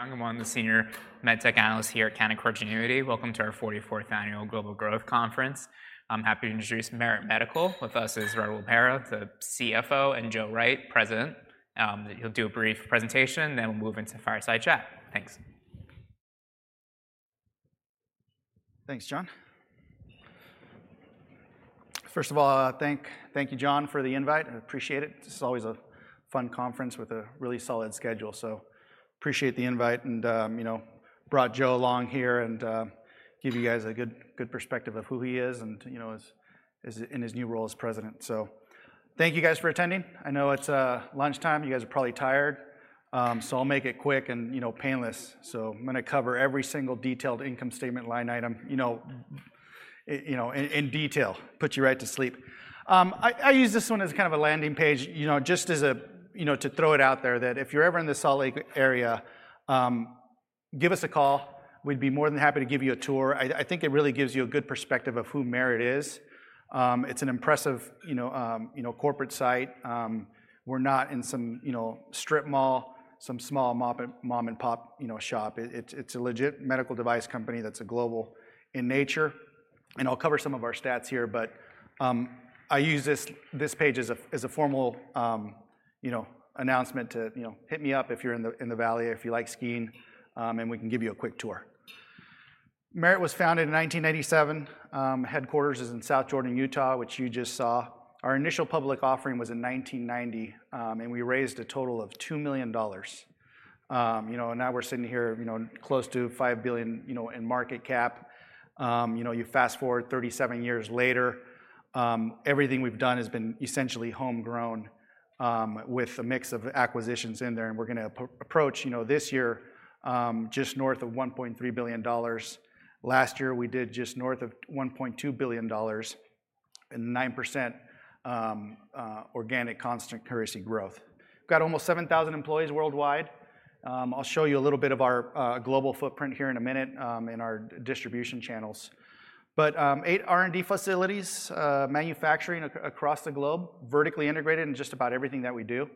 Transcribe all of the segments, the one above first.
I'm Jon Young, and I'm the senior MedTech analyst here at Canaccord Genuity. Welcome to our 44th Annual Global Growth conference. I'm happy to introduce Merit Medical. With us is Raul Parra, the CFO, and Joe Wright, President. He'll do a brief presentation, then we'll move into fireside chat. Thanks. Thanks, Jon. First of all, thank you, John, for the invite. I appreciate it. This is always a fun conference with a really solid schedule. So appreciate the invite and, you know, brought Joe along here and give you guys a good, good perspective of who he is and, you know, as in his new role as president. So thank you guys for attending. I know it's lunchtime. You guys are probably tired, so I'll make it quick and, you know, painless. So I'm gonna cover every single detailed income statement line item, you know, in detail. Put you right to sleep. I use this one as kind of a landing page, you know, just as a, you know, to throw it out there that if you're ever in the Salt Lake area, give us a call. We'd be more than happy to give you a tour. I think it really gives you a good perspective of who Merit is. It's an impressive, you know, corporate site. We're not in some, you know, strip mall, some small mom-and-pop, you know, shop. It's a legit medical device company that's a global in nature, and I'll cover some of our stats here, but I use this page as a formal, you know, announcement to. You know, hit me up if you're in the, in the Valley, if you like skiing, and we can give you a quick tour. Merit was founded in 1997. Headquarters is in South Jordan, Utah, which you just saw. Our initial public offering was in 1990, and we raised a total of $2 million. You know, now we're sitting here, you know, close to $5 billion, you know, in market cap. You know, you fast-forward 37 years later, everything we've done has been essentially homegrown, with a mix of acquisitions in there, and we're gonna approach, you know, this year, just north of $1.3 billion. Last year, we did just north of $1.2 billion and 9% organic constant currency growth. We've got almost 7,000 employees worldwide. I'll show you a little bit of our global footprint here in a minute, in our distribution channels. But eight R&D facilities, manufacturing across the globe, vertically integrated in just about everything that we do.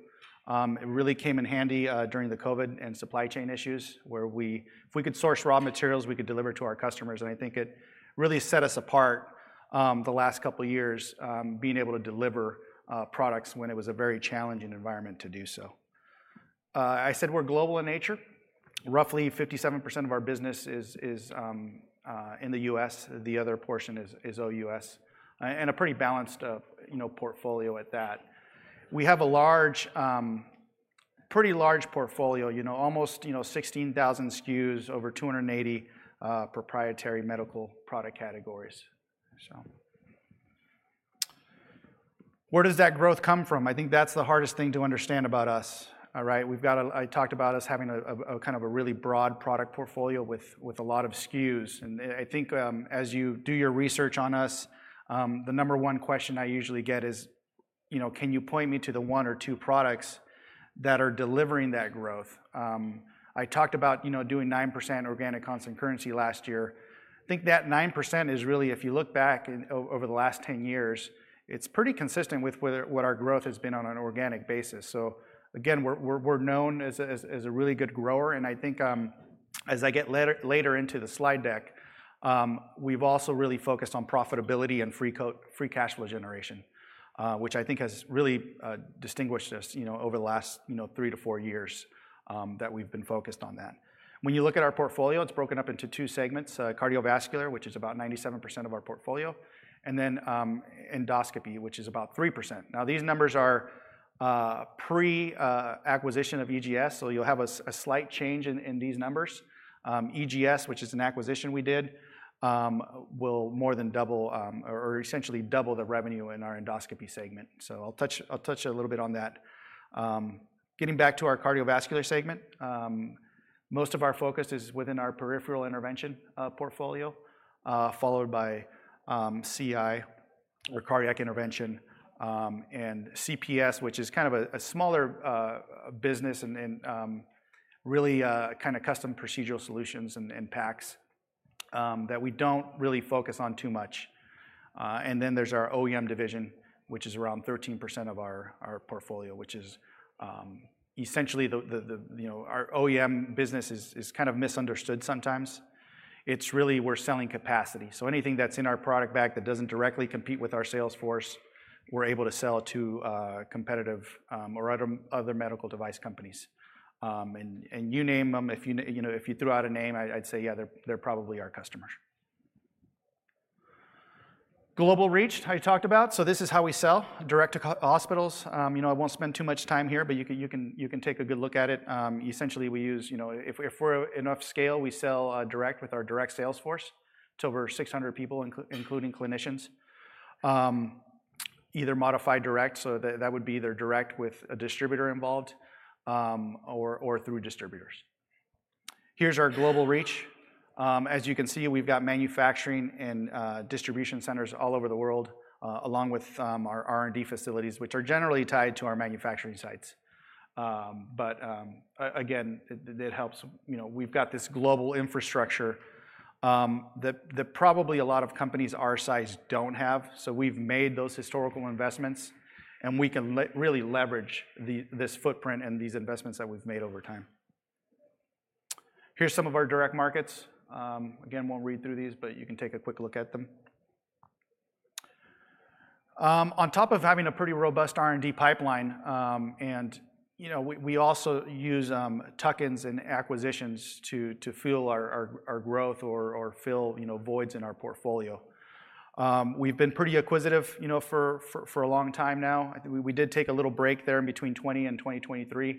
It really came in handy during the COVID and supply chain issues, where if we could source raw materials, we could deliver to our customers, and I think it really set us apart, the last couple of years, being able to deliver products when it was a very challenging environment to do so. I said we're global in nature. Roughly 57% of our business is in the U.S., the other portion is OUS, and a pretty balanced, you know, portfolio at that. We have a large, pretty large portfolio, you know, almost, you know, 16,000 SKUs, over 280 proprietary medical product categories. So. Where does that growth come from? I think that's the hardest thing to understand about us, all right? We've got a I talked about us having a kind of a really broad product portfolio with a lot of SKUs, and I think, as you do your research on us, the number one question I usually get is, you know: "Can you point me to the one or two products that are delivering that growth?" I talked about, you know, doing 9% organic constant currency last year. I think that 9% is really, if you look back over the last 10 years, it's pretty consistent with what our growth has been on an organic basis. So again, we're known as a really good grower, and I think, as I get later into the slide deck, we've also really focused on profitability and free cash flow generation, which I think has really distinguished us, you know, over the last, you know, 3-4 years, that we've been focused on that. When you look at our portfolio, it's broken up into two segments, cardiovascular, which is about 97% of our portfolio, and then, endoscopy, which is about 3%. Now, these numbers are pre-acquisition of EGS, so you'll have a slight change in these numbers. EGS, which is an acquisition we did, will more than double, or essentially double the revenue in our endoscopy segment. So I'll touch a little bit on that. Getting back to our cardiovascular segment, most of our focus is within our peripheral intervention portfolio, followed by CI, or Cardiac Intervention, and CPS, which is kind of a smaller business and really kind of custom procedural solutions and packs that we don't really focus on too much. And then there's our OEM division, which is around 13% of our portfolio, which is essentially the. You know, our OEM business is kind of misunderstood sometimes. It's really we're selling capacity. So anything that's in our product bag that doesn't directly compete with our sales force, we're able to sell to competitive or other medical device companies. And you name them. You know, if you threw out a name, I'd say, "Yeah, they're probably our customer." Global reach, I talked about, so this is how we sell: direct to hospitals. You know, I won't spend too much time here, but you can take a good look at it. Essentially, we use, you know, if we're enough scale, we sell direct with our direct sales force. It's over 600 people, including clinicians. Either modified direct, so that would be either direct with a distributor involved, or through distributors. Here's our global reach. As you can see, we've got manufacturing and distribution centers all over the world, along with our R&D facilities, which are generally tied to our manufacturing sites. But again, it helps. You know, we've got this global infrastructure that probably a lot of companies our size don't have, so we've made those historical investments, and we can really leverage this footprint and these investments that we've made over time. Here's some of our direct markets. Again, won't read through these, but you can take a quick look at them. On top of having a pretty robust R&D pipeline, and, you know, we also use tuck-ins and acquisitions to fuel our growth or fill, you know, voids in our portfolio. We've been pretty acquisitive, you know, for a long time now. I think we did take a little break there in between 2020 and 2023.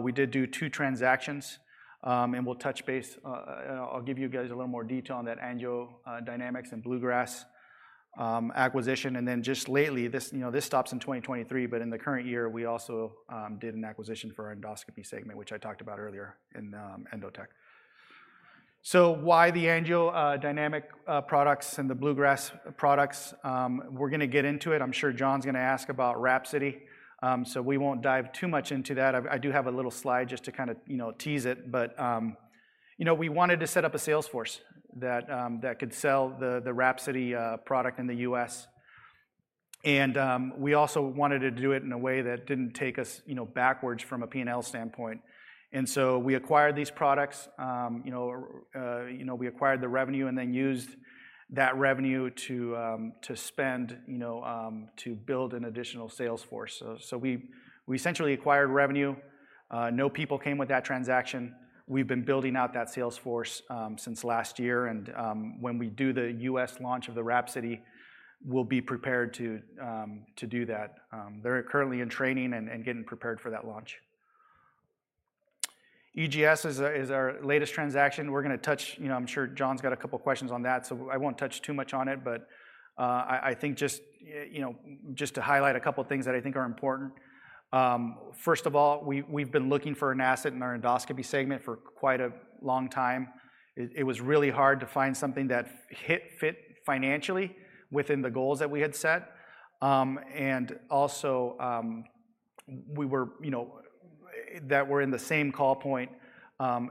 We did do two transactions, and we'll touch base. I'll give you guys a little more detail on that AngioDynamics and Bluegrass acquisition, and then just lately, this stops in 2023, but in the current year, we also did an acquisition for our endoscopy segment, which I talked about earlier in Endotek. So why the AngioDynamics products and the Bluegrass products? We're gonna get into it. I'm sure Jon's gonna ask about WRAPSODY, so we won't dive too much into that. I do have a little slide just to kind of, you know, tease it, but, you know, we wanted to set up a sales force that that could sell the the WRAPSODY product in the U.S., and we also wanted to do it in a way that didn't take us, you know, backwards from a P&L standpoint. And so we acquired these products, you know, you know, we acquired the revenue and then used that revenue to to spend, you know, to build an additional sales force. So we we essentially acquired revenue. No people came with that transaction. We've been building out that sales force since last year, and when we do the U.S. launch of the WRAPSODY, we'll be prepared to do that. They're currently in training and getting prepared for that launch. EGS is our latest transaction. We're gonna touch. You know, I'm sure John's got a couple questions on that, so I won't touch too much on it, but I think just you know, just to highlight a couple of things that I think are important. First of all, we've been looking for an asset in our endoscopy segment for quite a long time. It was really hard to find something that fit financially within the goals that we had set. And also, we were, you know, that were in the same call point,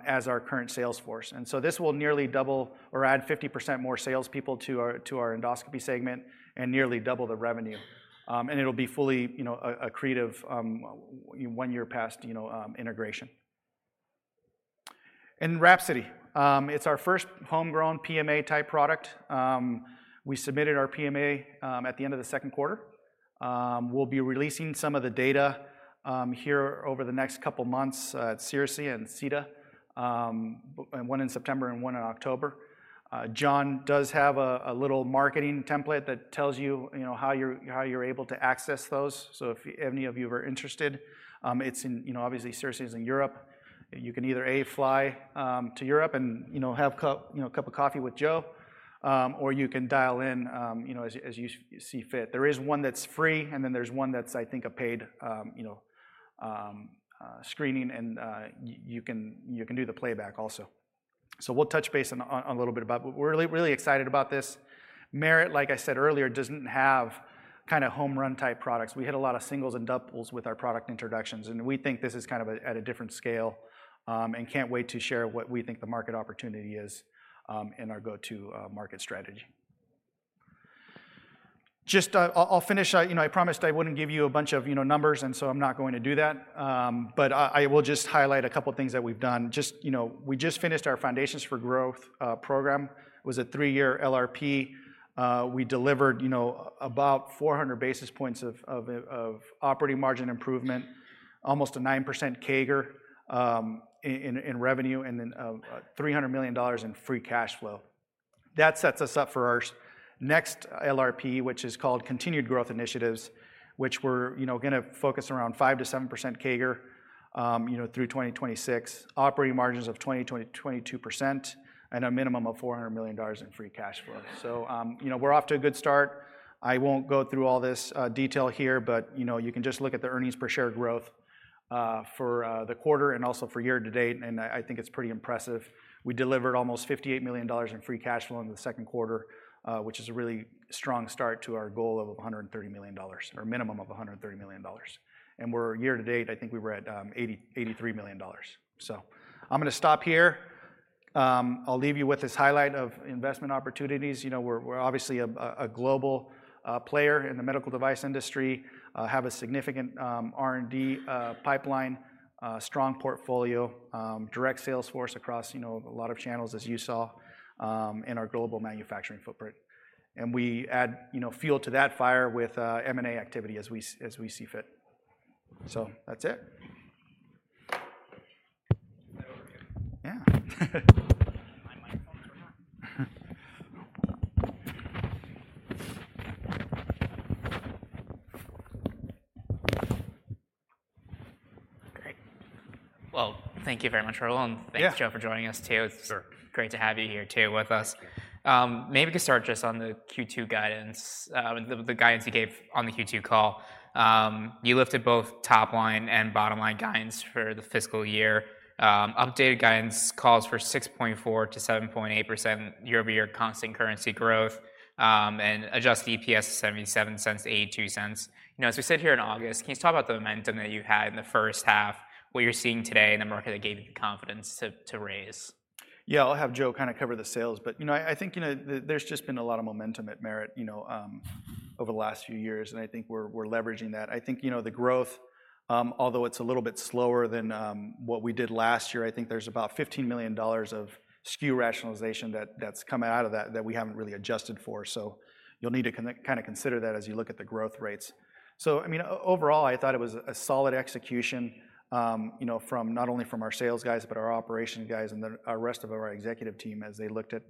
as our current sales force, and so this will nearly double or add 50% more salespeople to our, to our endoscopy segment and nearly double the revenue. And it'll be fully, you know, a, accretive, one year past, you know, integration. In WRAPSODY, it's our first homegrown PMA-type product. We submitted our PMA at the end of the second quarter. We'll be releasing some of the data here over the next couple of months, at CIRSE and CiDA, one in September and one in October. John does have a little marketing template that tells you, you know, how you're able to access those. So if any of you are interested, it's in. You know, obviously, CIRSE is in Europe. You can either, a, fly to Europe and, you know, have cup of coffee with Joe, or you can dial in, you know, as you see fit. There is one that's free, and then there's one that's, I think, a paid screening, and you can do the playback also. So we'll touch base on a little bit about. We're really, really excited about this. Merit, like I said earlier, doesn't have kind of home run-type products. We hit a lot of singles and doubles with our product introductions, and we think this is kind of a at a different scale, and can't wait to share what we think the market opportunity is, in our go-to market strategy. Just, I'll, I'll finish, you know, I promised I wouldn't give you a bunch of, you know, numbers, and so I'm not going to do that, but I, I will just highlight a couple of things that we've done. Just, you know, we just finished our Foundations for Growth program. It was a three-year LRP. We delivered, you know, about 400 basis points of operating margin improvement, almost a 9% CAGR in revenue, and then, $300 million in free cash flow. That sets us up for our next LRP, which is called Continued Growth Initiatives, which we're, you know, gonna focus around 5%-7% CAGR, you know, through 2026, operating margins of 20%-22% and a minimum of $400 million in free cash flow. So, you know, we're off to a good start. I won't go through all this, detail here, but, you know, you can just look at the earnings per share growth, for, the quarter and also for year to date, and I, I think it's pretty impressive. We delivered almost $58 million in free cash flow in the second quarter, which is a really strong start to our goal of $130 million or minimum of $130 million, and we're year to date, I think we were at, $83 million. So I'm gonna stop here. I'll leave you with this highlight of investment opportunities. You know, we're obviously a global player in the medical device industry, have a significant R&D pipeline, strong portfolio, direct sales force across, you know, a lot of channels, as you saw, in our global manufacturing footprint. And we add, you know, fuel to that fire with M&A activity as we see fit. So that's it. Yeah. Great. Well, thank you very much, Raul. Yeah. Thanks, Joe, for joining us, too. Sure. Great to have you here, too, with us. Maybe we could start just on the Q2 guidance, the guidance you gave on the Q2 call. You lifted both top line and bottom line guidance for the fiscal year. Updated guidance calls for 6.4%-7.8% year-over-year constant currency growth, and adjusted EPS $0.77-$0.82. You know, as we sit here in August, can you talk about the momentum that you had in the first half, what you're seeing today in the market that gave you the confidence to raise? Yeah, I'll have Joe kind of cover the sales. But, you know, I think, you know, there's just been a lot of momentum at Merit, you know, over the last few years, and I think we're leveraging that. I think, you know, the growth, although it's a little bit slower than what we did last year, I think there's about $15 million of SKU rationalization that's come out of that, that we haven't really adjusted for. So you'll need to consider that as you look at the growth rates. So, I mean, overall, I thought it was a solid execution, you know, from not only from our sales guys, but our operation guys and the rest of our executive team as they looked at,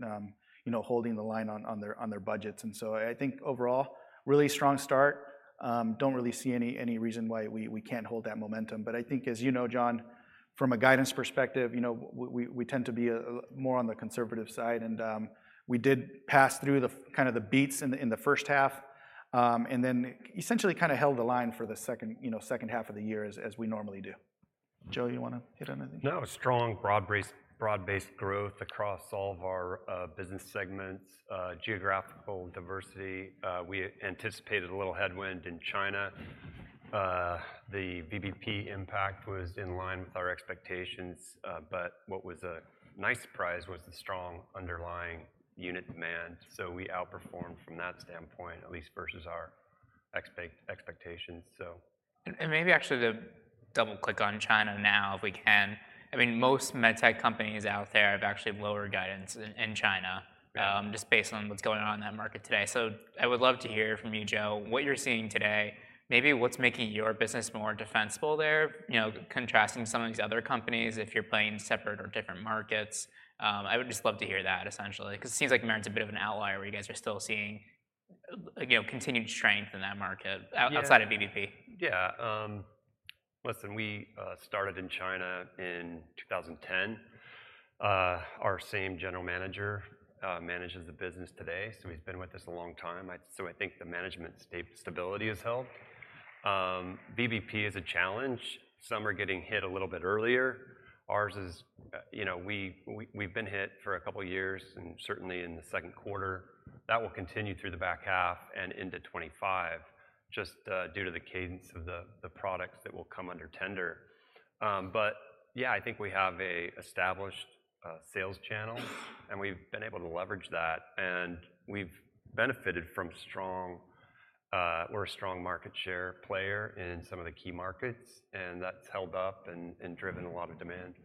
you know, holding the line on their budgets. And so I think overall, really strong start. Don't really see any reason why we can't hold that momentum. But I think, as you know, Jon, from a guidance perspective, you know, we tend to be more on the conservative side, and we did pass through the kind of the beats in the first half, and then essentially kind of held the line for the second half of the year as we normally do. Joe, you wanna hit on anything? No, strong, broad-based, broad-based growth across all of our business segments, geographical diversity. We anticipated a little headwind in China. The VBP impact was in line with our expectations, but what was a nice surprise was the strong underlying unit demand. So we outperformed from that standpoint, at least vs our expectations, so. And maybe actually to double-click on China now, if we can. I mean, most MedTech companies out there have actually lowered guidance in China. Right. Just based on what's going on in that market today. So I would love to hear from you, Joe, what you're seeing today, maybe what's making your business more defensible there? You know, contrasting some of these other companies, if you're playing separate or different markets. I would just love to hear that essentially, because it seems like Merit's a bit of an outlier, where you guys are still seeing, you know, continued strength in that market. Yeah. Outside of VBP. Yeah, listen, we started in China in 2010. Our same general manager manages the business today, so he's been with us a long time. So I think the management stability has helped. VBP is a challenge. Some are getting hit a little bit earlier. Ours is, you know, we, we've been hit for a couple of years, and certainly in the second quarter. That will continue through the back half and into 2025, just due to the cadence of the, the products that will come under tender. But yeah, I think we have a established sales channel, and we've been able to leverage that, and we've benefited from strong. We're a strong market share player in some of the key markets, and that's held up and driven a lot of demand.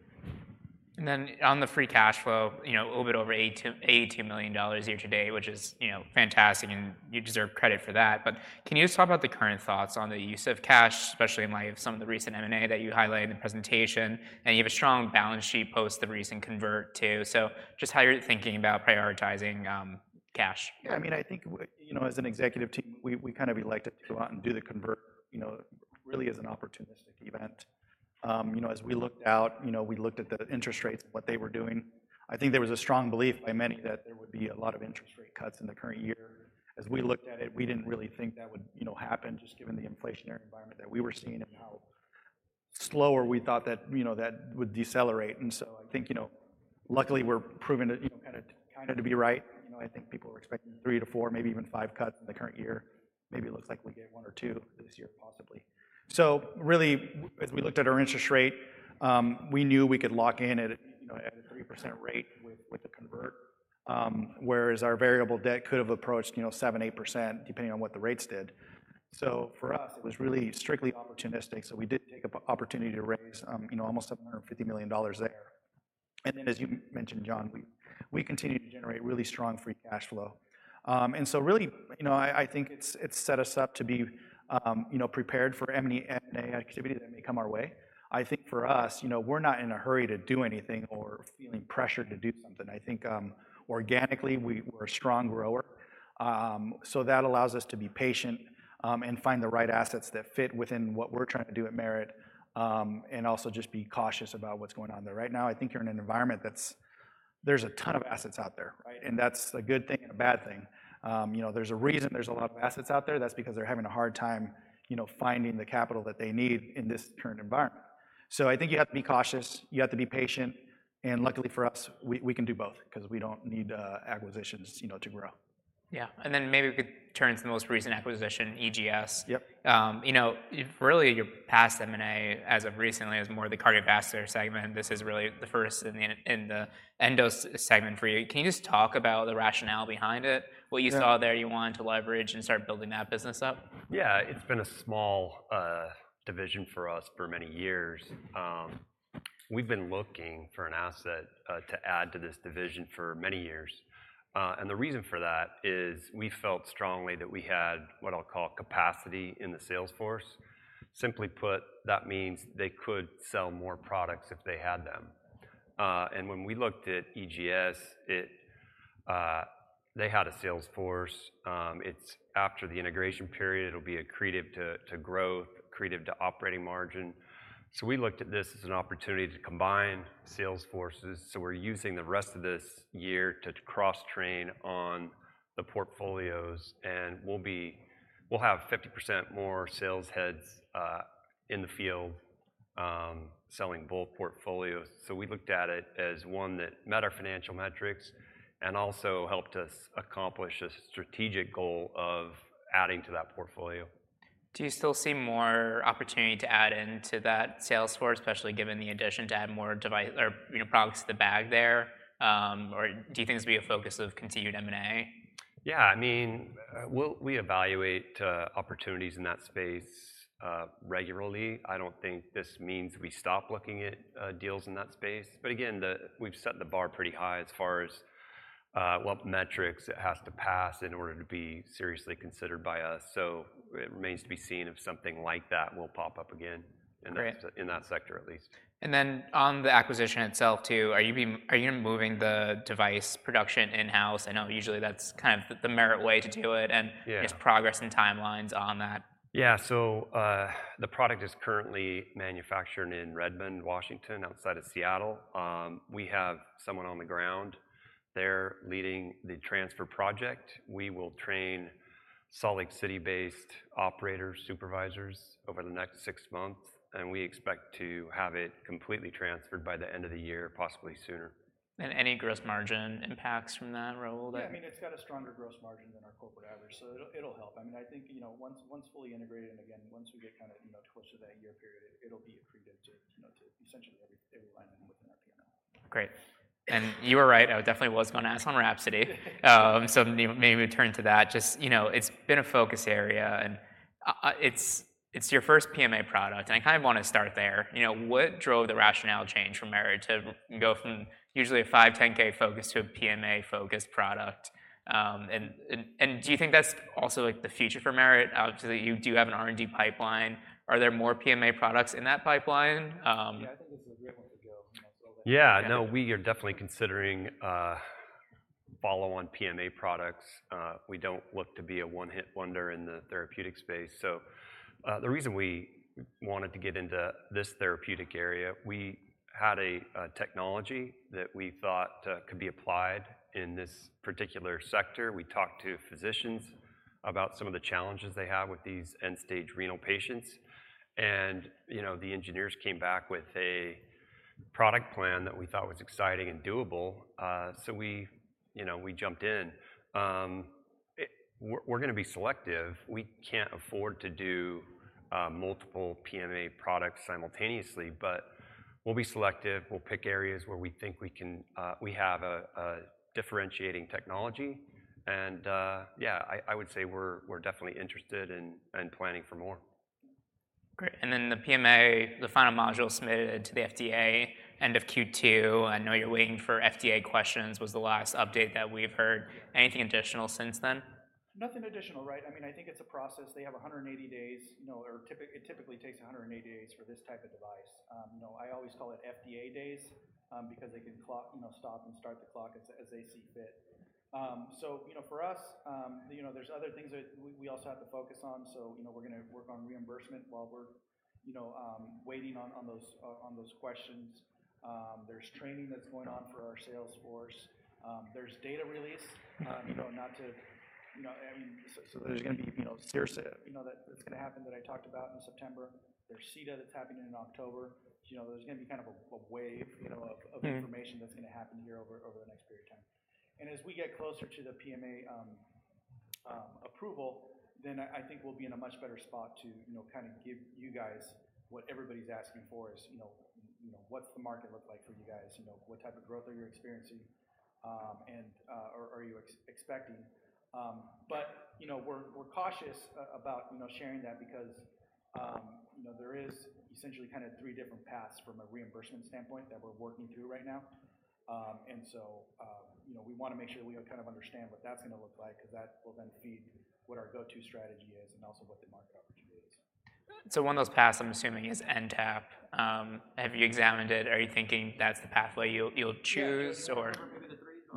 On the free cash flow, you know, a little bit over $80 million year to date, which is, you know, fantastic, and you deserve credit for that. But can you just talk about the current thoughts on the use of cash, especially in light of some of the recent M&A that you highlighted in the presentation, and you have a strong balance sheet post the recent convert, too. Just how you're thinking about prioritizing cash. Yeah, I mean, I think you know, as an executive team, we kind of elected to go out and do the convert, you know, really as an opportunistic event. You know, as we looked out, you know, we looked at the interest rates and what they were doing. I think there was a strong belief by many that there would be a lot of interest rate cuts in the current year. As we looked at it, we didn't really think that would, you know, happen, just given the inflationary environment that we were seeing and how slower we thought that, you know, that would decelerate. And so I think, you know, luckily, we're proving that, you know, kind of, kind of to be right. You know, I think people were expecting three to four, maybe even five cuts in the current year. Maybe it looks like we'll get 1 or 2 this year, possibly. So really, as we looked at our interest rate, we knew we could lock in at a, you know, at a 3% rate with the convert, whereas our variable debt could have approached, you know, 7-8%, depending on what the rates did. So for us, it was really strictly opportunistic. So we did take opportunity to raise, you know, almost $750 million there. And then, as you mentioned, Jon, we continue to generate really strong free cash flow. And so really, you know, I think it's set us up to be, you know, prepared for M&A activity that may come our way. I think for us, you know, we're not in a hurry to do anything or feeling pressured to do something. I think, organically, we're a strong grower. So that allows us to be patient, and find the right assets that fit within what we're trying to do at Merit, and also just be cautious about what's going on there. Right now, I think you're in an environment that's, there's a ton of assets out there, right? And that's a good thing and a bad thing. You know, there's a reason there's a lot of assets out there. That's because they're having a hard time, you know, finding the capital that they need in this current environment. I think you have to be cautious, you have to be patient, and luckily for us, we can do both because we don't need acquisitions, you know, to grow. Yeah. Maybe we could turn to the most recent acquisition, EGS. Yep. You know, really, your past M&A, as of recently, is more the cardiovascular segment. This is really the first in the endos segment for you. Can you just talk about the rationale behind it? Yeah. What you saw there you wanted to leverage and start building that business up? Yeah. It's been a small division for us for many years. We've been looking for an asset to add to this division for many years. And the reason for that is we felt strongly that we had, what I'll call, capacity in the sales force. Simply put, that means they could sell more products if they had them. And when we looked at EGS, it. They had a sales force. It's after the integration period, it'll be accretive to grow, accretive to operating margin. So we looked at this as an opportunity to combine sales forces. So we're using the rest of this year to cross-train on the portfolios, and we'll have 50% more sales heads in the field selling both portfolios. We looked at it as one that met our financial metrics and also helped us accomplish a strategic goal of adding to that portfolio. Do you still see more opportunity to add into that sales force, especially given the addition to add more device or, you know, products to the bag there? Or do you think this will be a focus of continued M&A? Yeah, I mean, we'll evaluate opportunities in that space regularly. I don't think this means we stop looking at deals in that space. But again, we've set the bar pretty high as far as what metrics it has to pass in order to be seriously considered by us, so it remains to be seen if something like that will pop up again. Great in that sector at least. Then on the acquisition itself, too, are you moving the device production in-house? I know usually that's kind of the Merit way to do it, and. Yeah. Just progress and timelines on that. Yeah. So, the product is currently manufactured in Redmond, Washington, outside of Seattle. We have someone on the ground there leading the transfer project. We will train Salt Lake City-based operator supervisors over the next six months, and we expect to have it completely transferred by the end of the year, possibly sooner. And any gross margin impacts from that, Raul, that- I mean, it's got a stronger gross margin than our corporate average, so it'll help. I mean, I think, you know, once fully integrated, and again, once we get kind of, you know, closer to that year period, it'll be accretive to, you know, to essentially every line item within our P&L. Great. And you were right, I definitely was going to ask on WRAPSODY. So maybe we turn to that. Just, you know, it's been a focus area, and it's your first PMA product, and I kind of want to start there. You know, what drove the rationale change from Merit to go from usually a 510(k) focus to a PMA focus product? And do you think that's also, like, the future for Merit to the. Do you have an R&D pipeline? Are there more PMA products in that pipeline? Yeah, I think it's a great way to go, you know, so that. Yeah. No, we are definitely considering follow-on PMA products. We don't look to be a one-hit wonder in the therapeutic space. So, the reason we wanted to get into this therapeutic area, we had a technology that we thought could be applied in this particular sector. We talked to physicians about some of the challenges they have with these end-stage renal patients, and, you know, the engineers came back with a product plan that we thought was exciting and doable. So we, you know, we jumped in. We're gonna be selective. We can't afford to do multiple PMA products simultaneously, but we'll be selective. We'll pick areas where we think we can. We have a differentiating technology. And, yeah, I would say we're definitely interested in, and planning for more. Great. Then the PMA, the final module submitted to the FDA, end of Q2, I know you're waiting for FDA questions, was the last update that we've heard. Anything additional since then? Nothing additional. Right. I mean, I think it's a process. They have 180 days, you know, or it typically takes 180 days for this type of device. You know, I always call it FDA days, because they can clock, you know, stop and start the clock as, as they see fit. So, you know, for us, you know, there's other things that we, we also have to focus on. So, you know, we're gonna work on reimbursement while we're, you know, waiting on, on those, on those questions. There's training that's going on for our sales force. There's data release, you know, not to, you know, I mean, so, so there's gonna be, you know, CIRSE, you know, that's gonna happen that I talked about in September. There's [CiDA] that's happening in October. You know, there's gonna be kind of a wave, you know- Mm-hmm Of information that's gonna happen here over the next period of time. And as we get closer to the PMA approval, then I think we'll be in a much better spot to, you know, kind of give you guys what everybody's asking for, is, you know, you know, what's the market look like for you guys? You know, what type of growth are you experiencing, and or are you expecting? But you know, we're, we're cautious about, you know, sharing that because, you know, there is essentially kind of three different paths from a reimbursement standpoint that we're working through right now. And so, you know, we wanna make sure we kind of understand what that's gonna look like, 'cause that will then feed what our go-to strategy is and also what the market opportunity is. So one of those paths, I'm assuming, is NTAP. Have you examined it? Are you thinking that's the pathway you'll choose or.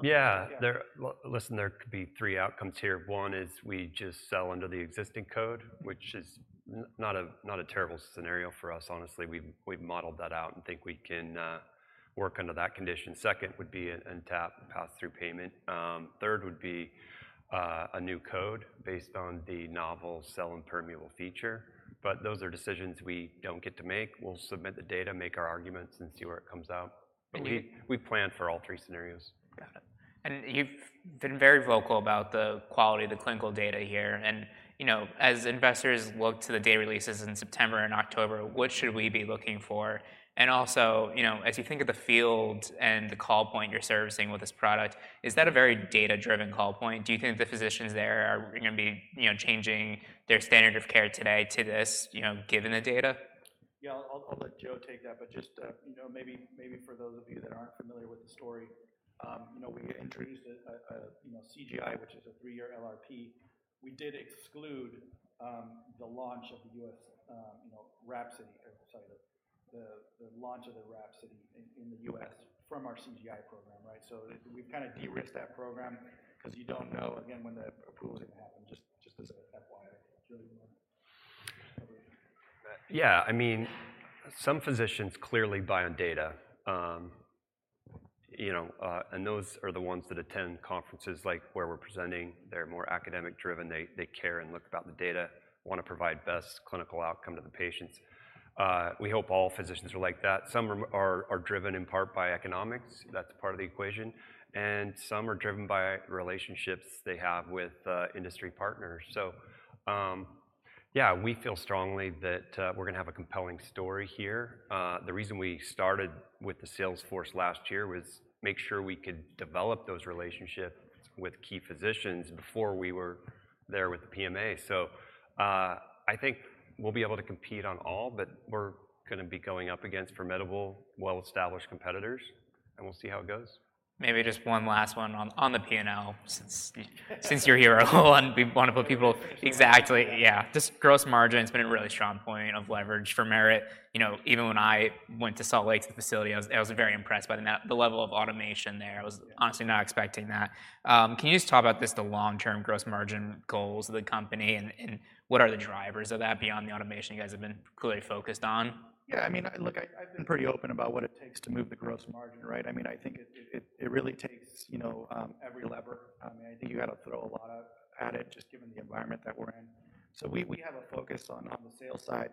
Yeah. There, listen, there could be three outcomes here. One is we just sell under the existing code, which is not a terrible scenario for us, honestly. We've modeled that out and think we can work under that condition. Second, would be an NTAP pass-through payment. Third would be a new code based on the novel cell-impermeable feature. But those are decisions we don't get to make. We'll submit the data, make our arguments, and see where it comes out. Mm-hmm. But we plan for all three scenarios. Got it. And you've been very vocal about the quality of the clinical data here, and, you know, as investors look to the data releases in September and October, what should we be looking for? And also, you know, as you think of the field and the call point you're servicing with this product, is that a very data-driven call point? Do you think the physicians there are gonna be, you know, changing their standard of care today to this, you know, given the data? Yeah, I'll let Joe take that. But just, you know, maybe for those of you that aren't familiar with the story, you know, we introduced a CGI, which is a three-year LRP. We did exclude the launch of the U.S., you know, WRAPSODY or sorry, the launch of the WRAPSODY in the U.S. from our CGI program, right? So we've kind of de-risked that program 'cause you don't know, again, when the approval is gonna happen. Just as a FYI. Yeah. I mean, some physicians clearly buy on data, you know, and those are the ones that attend conferences like where we're presenting. They're more academic-driven. They, they care and look about the data, wanna provide best clinical outcome to the patients. We hope all physicians are like that. Some are driven in part by economics, that's part of the equation, and some are driven by relationships they have with industry partners. So, yeah, we feel strongly that we're gonna have a compelling story here. The reason we started with the sales force last year was make sure we could develop those relationships with key physicians before we were there with the PMA. So, I think we'll be able to compete on all, but we're gonna be going up against formidable, well-established competitors, and we'll see how it goes. Maybe just one last one on the P&L, since you're here, Raul, and we want to put people. Exactly, yeah. Just gross margin has been a really strong point of leverage for Merit. You know, even when I went to Salt Lake to the facility, I was very impressed by the level of automation there. Yeah. I was honestly not expecting that. Can you just talk about just the long-term gross margin goals of the company and, and what are the drivers of that beyond the automation you guys have been clearly focused on? Yeah, I mean, look, I've been pretty open about what it takes to move the gross margin, right? I mean, I think it really takes, you know, every lever. I mean, I think you got to throw a lot at it, just given the environment that we're in. So we have a focus on the sales side,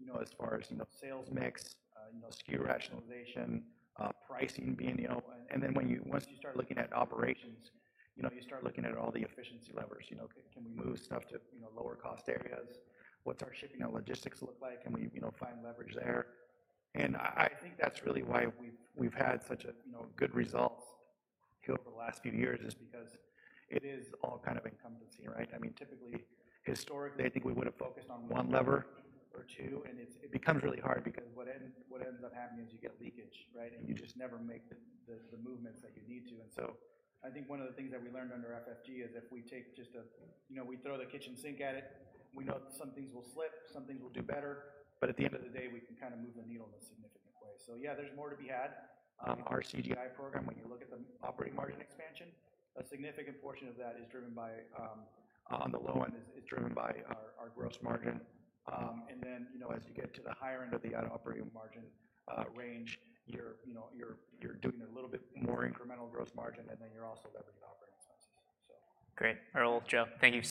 you know, as far as sales mix, you know, SKU rationalization, pricing being, you know. And then, once you start looking at operations, you know, you start looking at all the efficiency levers. You know, can we move stuff to lower-cost areas? What's our shipping and logistics look like? Can we, you know, find leverage there? And I think that's really why we've had such a, you know, good results here over the last few years, is because it is all kind of incumbency, right? I mean, typically, historically, I think we would have focused on one lever or two, and it's, it becomes really hard because what ends up happening is you get leakage, right? And you just never make the movements that you need to. And so I think one of the things that we learned under FFG is if we take just a, you know, we throw the kitchen sink at it, we know some things will slip, some things will do better, but at the end of the day, we can kind of move the needle in a significant way. So yeah, there's more to be had. Our CGI program, when you look at the operating margin expansion, a significant portion of that is driven by, on the low end, driven by our gross margin. And then, you know, as you get to the higher end of the operating margin range, you know, you're doing a little bit more incremental gross margin, and then you're also leveraging operating expenses, so. Great. Earl, Joe, thanks.